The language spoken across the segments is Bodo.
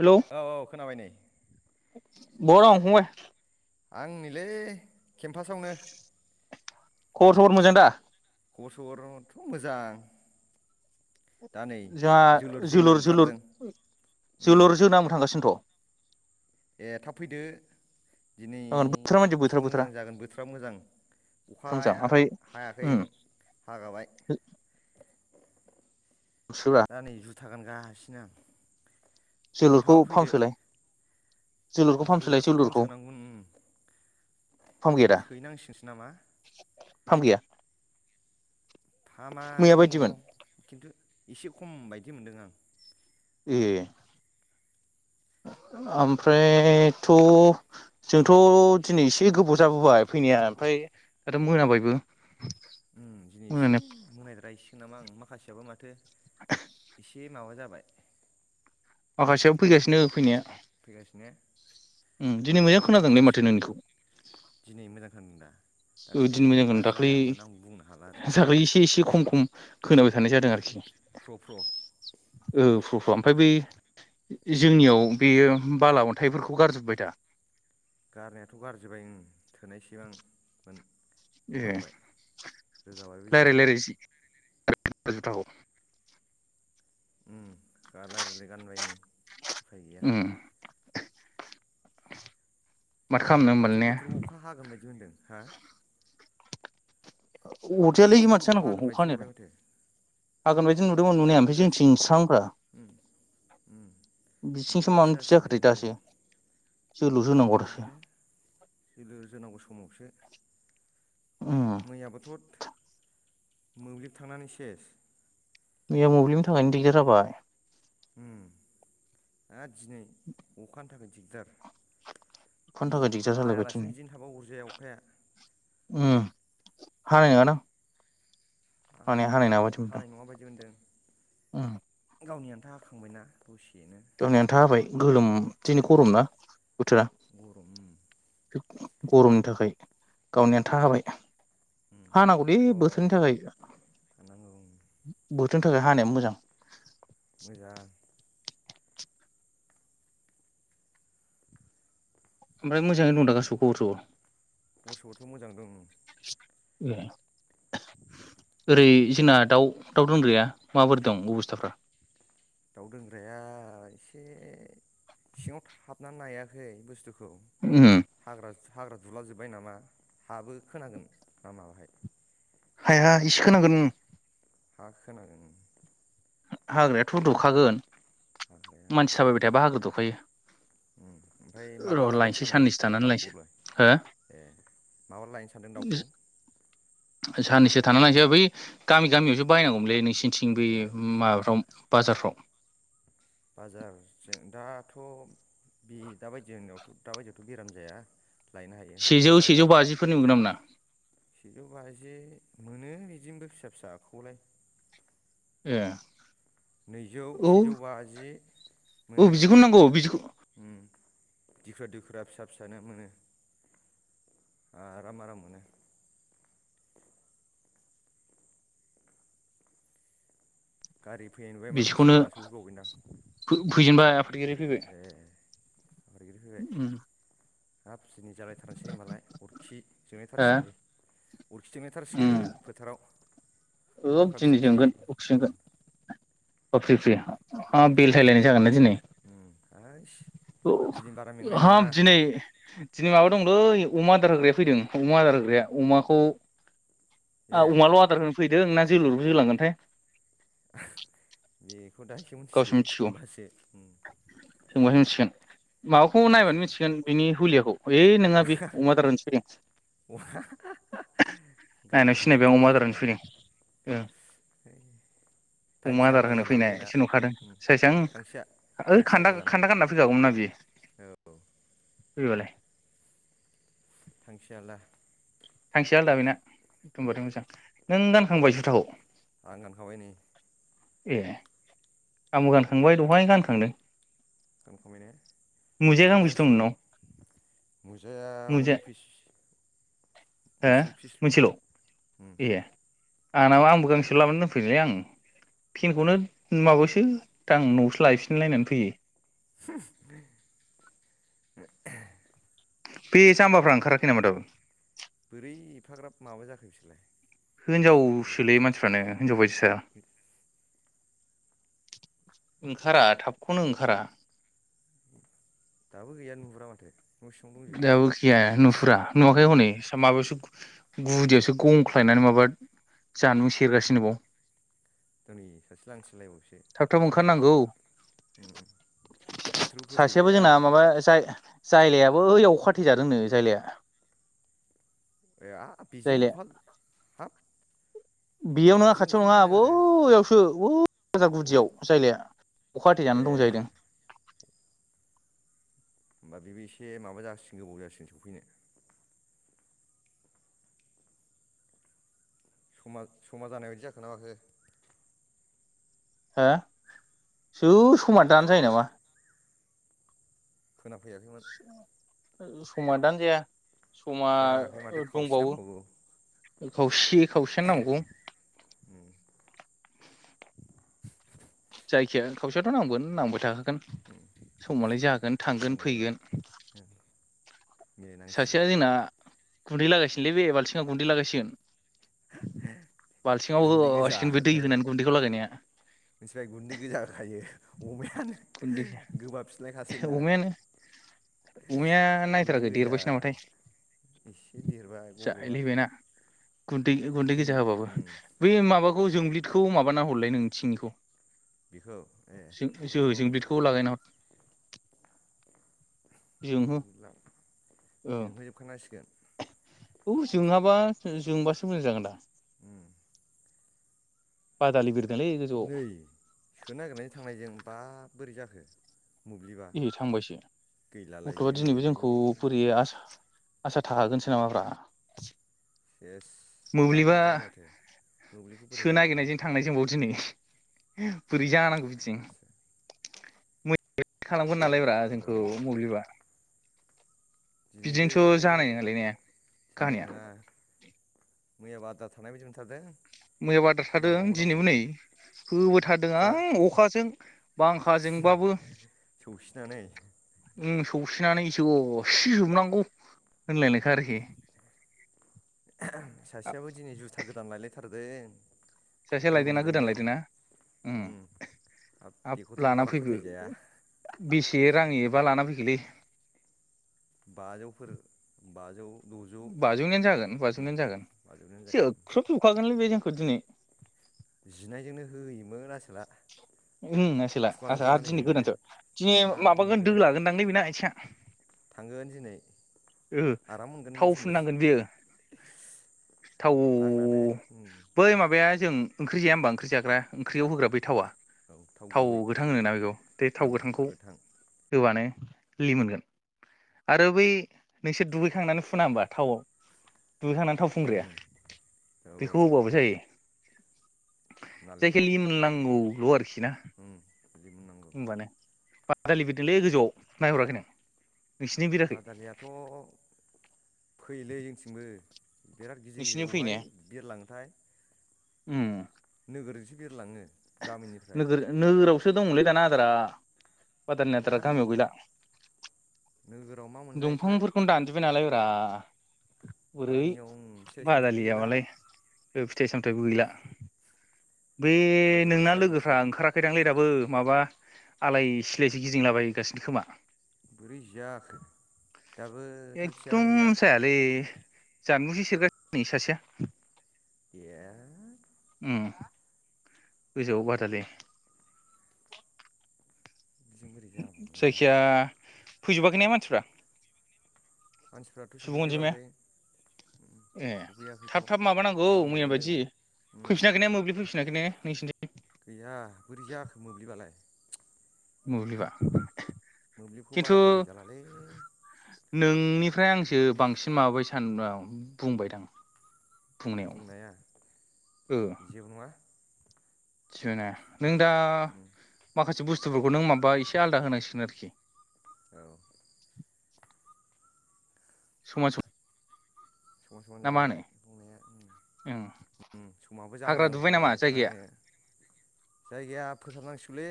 हेलौ औ औ खोनाबाय नै बहा दं‌ फंबाय आंनि नैलै केम्पास आवनो खबर सबर मोजां दा खबर सबरथ' मोजां दा नै जोंहा जोनो जोलुर जोलुर ओंखारदों उम जोलुर जोनो आंबो थांगासिनोथ' ए थाब फैदो दिनै बोथोरा मानदि बोथोरा एसे बोथोरा मोजां जागोन बोथोरा मोजां बोथोरा मोजां अखाया ओमफ्राय हायाखै हागाबाय सोब्रा दा नै जुथा गानगासिनो आं जोलुरखौ नोंथाङाबो फैदो फामसोलाय जोलुराथ' फाम सोनांगौमोन उम सोैहैनांसिगोनसो नामा फाम गैया फामा मैया दङ बायदिमोन खिन्थु एसे खम बायदि मोनदों आं ए ओमफ्रायथ' जोंथ' दिनै एसे गोबाव जाबोबाय फैनाया ओमफ्राय आरो मोनाबायबो उ दिनै एसे मोनानाया मोनायद्रास नामा आं माखासेयाबो माथो [inaudible] से माबा जाबाय मासेयाबो फैगासिनो फैनाया फैगासिनो उम दिनै मोजां होमबाथ' खोनादोंलै माथो जासिगोन नोंनिखौ दिनै मोजां खोनादों दा ओ दाख्लै दिनै मोजां मा खादों दाख्लै जायामोन आं बुंनो हाला आरो दाखलै एसे एसे खम खम खोनाबाय थानाय जादों आरोखि प्र' प्र' औ प्र प्र ओमफ्राय बै जोंनियाव बेयो बाला अन्थाइफोरखौ गारजोब्बाय दा गारनायाथ' गारजोबबाय उम थोनायसेबां मोन ए रोगाबायबो जोङो लायराय लायरायसै [inaudible] उम गा लायरायबाय गानबाय नै उफाय गैया उम खालामनो माथो होमबालाय ने बोथोराव अखा हागोन बायदि मोनदों हा अदजायालै बोथोरखौ माथो जानांगौ हागोन अखा बायदि नुबाय नायालाय माथो हागोनबाय दि नुदोंमोन नुनाया ओमफ्राय बोरैबासो जोंनिथिं स्रां ब्रा बिथिंसो बोरैबासो मानो बिदि जासिगोन जाखोदो बायदि मोनबाय दासो जोलुसो होनांगौ दासो जानो जोलुर जोनांगौ समावसो उम मैयाबोथ'थ मोब्लिब थांनानै सेस मैया मोब्लिबनि थाखायनो दिगदार जाबाय। उम आरो दिनै अखानि थाखाय दिगदार अखानि बि थाखाय दिगदार जालायबाय हायालासिनो दिनै बिदिनो थाबा अरजाया अखाया। उम हानाय नङा दां। माने हानाय नङा आंबो बादि मोनदां। हानाय नङा बायदि मोनदों उम। गावनि आन्था हाखांबायना दसे। गावनि आन्था हाबाय गोलोम दिनै गरमना बोथोरा गरम गरमनि थाखाय गावनि आन्था हाबाय। उम हानांगौल दाथ' बोथोरनि थाखाय बोथ साननांगौ बोथोरनि थाखाय हानायाबो मोजां। मोजां। ओमफ्राय मोजाङै दं दा गासिबो खबर सबर। बस'आथ' मोजां दं।। ए ओरै जोंना दाउ दाउ दोनग्राया माबोरै दं अबस्थाफ्रा? दाउ दोनग्राया एसे सिङाव थाबनानै नायाखै बुस्थुखौ उम खौ हाग्रा हाग्रा दुलाजोब्बाय नामा हाबो खोनागोन ना माबाहाय। हाया इसे खोनांगोन ओम। हा होनांगोन। हाग्रायाथ' दुखागोन। मानसि थाबायबाय थायाबा हाग्रा दुखायो। ओम ओमफ्राय माब्ला र' लाबोनो लायनोसै सानदों साननैसो थानानै लायनोसै दाउखौलाय हो ए माब्ला लायनो सानदों दाउखौ? साननैसो थानानै लायसै आ बै गामि गामियावसो बायनांगौमोनलै नोंसिनिथिं बै ए माबाफ्राव बाजारफ्राव। बाजारजों दाथ' बे दाबायदिनावथ' दाबायदियावथ' बेराम जाया। लायनो हायो सेजौ आराम सेजौ बाजाराव बाजिफोरनि मोनगोन ना मोना सिजौ बाजि मोनो बिदिनोबो फिसा फिसाखौलाय। ए। नैजौ औ सेजौ बाजि औ मोनो। बिदिखौनो नांगौ बिदिखौ दिखुरा दिखुरा फिसा फिसानो मोनो। आराम आराम मोनो। गारि फैनाय नुबाय माथो बिदिखौनो सोरबा सोफैबावबायदां। बेरायफैबाय ओम। हाबनि जालायथारनोसै होमबालाय अरखि जोबायथारसिगोनबि। अरखि ओम जोंलायथारसिगोन फोथाराव औ अखा फ्रि दिनै फ्रि। अ फ्रि फ्रि हा बेलथायलायनाय जागोनलै दिनै। आइस औ हाब दिनै दिनै माबा दं। यै अमा आदार होग्राया फैदों अमा आदार होग्राया अमाखौ आ ए अमाल' आदार होनो फैयो। ना जोलुरबो जोलांगोनथाय? बे बेखौ दाहायसो गावसो मिथिसिगोन मिथिगौ सोंबासो ओम। सोंबासो मिथिसिगोन। माबाखौ नायबानो मिथिगोन बिनि हुलियाख ओइ नोंङा बे अमा आदार होनोसो फैदों नायनानै गानखौ सिनायबाय जोमफबथार अमा माथो आदार उम फैदों अमा थांखिया आदार आलदा होनो जानो हागौ फैनाय बेना सो नुखादों उम सायस‌आ थांखिया ओइ थांखिया खान्दा आलदा जानो खान्दा हागौ गानना फैखागौमोन ना बियो औ फैबालाय थांखियाला थांखिया आलदा बेना एदमबारै मोजां नों गान खांबाय जुथाखौ आं गानखाबाय नै ए आंबो गानखांबाय दहायनो गानखांदों गनखाबाय ने मुजाया गांबेसे दं नोंनाव ओंखारनांसिगौल' नुजाया मुजा अनलि फिस हो मोनसेल' ए आंनावो आंबो गांसे लाबोनानै दोनफैदोंलै आं फेनखौनो माबासो दा आं न'आवसो लायफिनलायनानै फैयो [unintelligible] बे जाम्बाफ्रा ओंखाराखै नामा दाबो बोरै एफाग्राब माबा जाखो बिसोरलाय ए हिनजावसोलै मानसिफ्रानो हिनजाव बायदिसो ओंखारा थाबखौनो ओंखारा दाबो गैयानो नुहुरा माथो न' सिङाव दंजोबो दाबो खिगाया होनहर फुरा नुवाखै हनै माबायावो गुदियावसो गंख्लायनानै माबा जानु सेरगासिनोबाव दिनै सासे लांथियालायबावसो थाब मा थाब जानांगौ ओंखारनांगौ बोथोरखौ सासेयाबो फोथायजाया जोंना माबा जाय जायलाया बोइयाव अखा हाथैजादोंनो जायलाया ए हाब बेजोंबो अखा बेयाव नङा बेजों खाथियाव अखा नङा हादों आरो बैयावसो वौ व [unintelligible] अ गुदियाव जायलाया अखा हाथे ए जानानै दं जाहैदों होमबा बेबो एसे माबा जासिगोन गोबाव जासिगोन सौफैनो समा जानाय बायदि जाखोना माखो हो औ समा दानो जायो नामा खोनाफैयाखैमोन समा दानो जाया समा जायाखै माथो खावसे दंबावो नांबावगौ खावसे खावसेयानो नांबावगौ उम जायखिया खावसेयाथ' नांगोन नांबाय थागोन समालाय जागोन थांगोन नांगोन फैगोन सासेया मिलायनांसिगोन जोंना गुन्दै लागायसिगोनलै बे बाल्थिङाव गुन्दै लागायसिगोन। बाल्थिङाव गुन्दै गोजा होसिगोन बे दै होखायो होनानै गुन्दैखौ लागायनाया। [unintelligible] खायो अमायानो गुन्दै गोबाब फिस्लायखासै ना अमायानो अमाया गुन्दै नायथाराखै गोजा देरबायसो नामाथाय एसे देरबाय गब्ल'बा। जाहैलायबायना गुन्दै गुन्दै गोजा होबाबो बै माबा खौ जोब्लदखौ माबाना हरलाय नोंथिंनिखौ। बेखौ ए जों-जो बेखौथ' उम जोंब्लिदखौ लागायना हर जोंहो जोंला ओ। जोंहोजोबखानांसिगोन औ जोङाबा जोंबासो मोजां जागोनदा। उम नै सोनो नागिरनायनि थांनायजों। बा बोरै जाखो। मोब्लिबा इनै थांबायसो गैलालायलै गथ'बा नै दिनैबो जोंखौ बोरै आसा आसा थाहागोनसो नामाब्रा। सेस दानो मोब्लिबा थांखाबाय माथो मोब्लिबखौ सोनो फोथायजालालै नागिरनायजों थांनायजोंबाव दिनै। हो बोरैजानांगौ बिदिजों। फाग्लासो [unintelligible] खालामगोन नालाय ब्रा जोंखौ एकदरम मोब्लिबा। दिनैबो बिदिजोंथ' जानाय नोङालै ने जानाय काहानिया। नङा मैयाबो आद्रा थानाय बायदि मोनथारदों। मैयाबो आद्रा थादों नांबावगौ नांबावगौ दिनैबो नै उम होबोथारदों जा आं अखाजों बांखाजोंबाबो। सौसिनानै सौसिनानै जसिजोबनांगौ। सासेयाबो दिनै जुथा गोदान लायलायथार। थादेन। सासेया लायदोंना गोदान लायदों ना? उम हाब बेखौथ' लाना बारा फैग्रो फोथायजाया बेसे रां एबा लाना फैखोलै? बाजौफोर बाजौ। द'जौ बाजौनियानो बिदि उम जागोन-बाजौनियानो जागोन बाजौनो जागोन जोबख्रुबजोबखागोनलै बे जों। ओदिनै। जिनायजोंनो होयोम उम आसोला खुगा हासा आ दिनै नुजालायनायजोंनो गोदानसो दिनै हाब दिनै माबागोन गोदान दोलागोनदांलै बेना आइथिंआ। थांगोन दिनै। ओ आराम मोनगोन बे थाव दिनै फुननांगोन बियो थाव आंनानो उम बै माबाया। जों ओंख्रि जाया ओमबा ओख्रि जाग्रा ओंख्रियाव होग्रा बै थावा। औ थाव गुबै गोथां होनोना बेखौ बे थाव उम गोथांखौ गोथां होबानो। लिमोनगोन आरो बै। नोंसोर दुगैखांनानै फुना होमबा थावआव। दुगैखांनानै थाव उम फुंग्राया औ औ बेखौ होबाबो जायो। नालेंखर जायखिलि मोननांगौ। लरख ना। उम बिदि मोननांगौ होमबानो बादालि बिदोंलै गोजौआव नायहराखै नों? नोंसिनि बिराखै बादालियाथ' फैलै जोंथिंबो। बिराद गिदिर नोंसिनि गिदिर फैनाया बबहाय बिरलांथाय। [inaudible] गोगोरजोंथिसे बेरलाङो नोगोर नोगोराव लै दाना आदार आ बदारनि आदारा जानो गामियाव गैला। नोगोराव मा मोनजायोथाय दंफांफोरखौनो दानजोबबाय नालाय दा अै गामियाव फिथाइ सामथाइबो गैला बादलिाबालाय फिथाइ सामथाइबो गैला। बे नोगोरावसो नोंना लोगोफ्रा जाजोबसै ओंखाराखैदांलै। दाबो माबा आलाय सिलायस गिदिंलाबायगासिनो खोमा। बोरै जाखो दाबो थाग थियारानो एदम गैया जायालै। जानबुज सेरगासिनो नै सासेया। ए उम। गोजोआव बादालि। बिजों बोरै जाबावनांगौ जायखिया जाखो फैजोबाखै ने मानसिफ्रा मानसिफ्राथ' सुबुं अनजिमाया सफैजोबाखै ए सफैयाखैथ' थाब थाब माबानांगौ मैया नांबावगोन जोंनो बायदि उम फैफिनाखै ने मोब्लिब फैफिनाखै ने नैसनिसै गैया। बोरै जाखो मोब्लिबालाय। मोब्लिबा मोब्लिखौ खिन्थु बारा फोथायजालालै। नोंनिफ्राय आंसो बांसिन माबाबाय सानं बुंबायदां। बुंनाया बुंनायाव ओ जेबो नङा थिबायना नों दा माखासे बुस्थुफोरखौ नों माबा एसे आलादा होनांसिगोन आरोखि। औ। समाज समान समान जाबाय बुंनाया ओं समाबो हाग्रा जांजां दुबाय नामा जाथारबाय जायगाया आङो जायगाया फोथाबनांसिगौलै।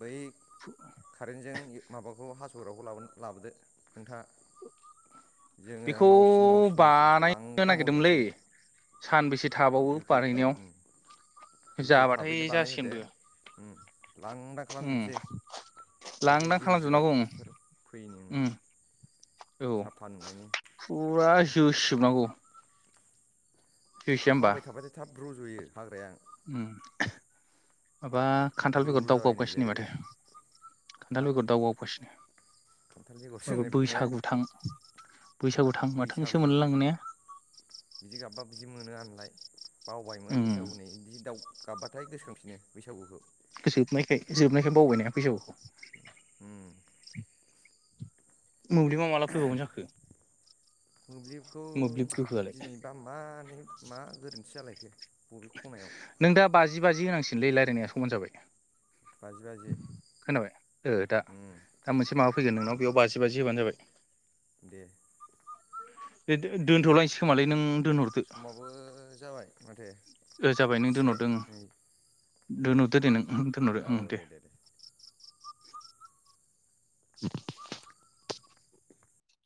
बै कारेन्टजों माबाखौ हास [inaudible] लाबोनो लाबोदो। नोंथाङा जोङो बेखौ मावसिन मावसिन मावसिन बानायनो लांदां नागिरदोंमोनलै मावजोबनोसै सानबेसे थाबावो गोख्रै उम बानायनायाव गोख्रै जाबाथाय थाबैनो बानायहोदो जासिगोनबो उम लांदां उम खालामजोबसै जाहाथे लांदां जिबौ खालामजोबनांगौ। जिबादफोर फैयिनि उम औ साफा नुनायनि फुरा। दोस जोबनांगौ। अखा हाबाय थाबायथाय थाब रज'यो। हाग्राया ओ माबा खान्थाल ग्रौ बेगर ग्रौ जाबाय नै दावगावगासिनो जायगा माथो जायगा खान्थाल हाब बेगर दावगावगासिनो खान्थाल बेगरसो माबा होनो बेखौ ने बैसागुथां। बैसागु बिदि गाबबा बिदि मोनो आं। लाय। उम बावबायमोन बैसागु है बिदि दाउ गाबबाथाय गोसोखांफिनो। बैसागुखौ। जोबनायखाय जोबनायखाय बावबाय ना बैसागुखौ। उम [unintelligible] मोब्लिबा माब्ला फैबावगोन जाखो? मोब्लिबखौ मोब्लिब गोहोआलाय दिनैबा मानि मा गोरोन्थि जालाय [unintelligible] नों दा बाजि बाजि होनांसिगोन दै रायलायनाया समान जाबाय। बाजि बाजि खोनाबाय ओ दा उम दा मोनसे माबा फैगोन नोंनाव बेयाव बाजि बाजि होबानो जाबाय। दे। दे दोनथ'लांनोसैखोमालै नों। दोनहरदो समाबो जाबाय माथो। ओ जाबाय नों जिसे नै दे दोनहरदो ओं औ दे दे [unintelligible]